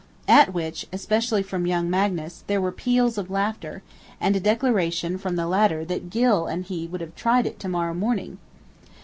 At which, especially from young Magnus, there were peals of laughter; and a declaration from the latter that Gylle and he would have it tried to morrow morning!